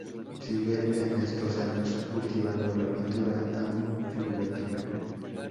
Sigue en estos años cultivando la pintura, aún figurativa.